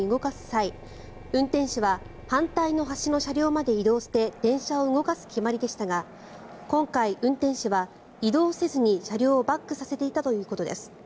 際運転士は反対の端の車両まで移動して電車を動かす決まりでしたが今回、運転士は移動せずに車両をバックさせていたということです。